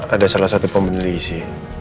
ada salah satu pembeli diisi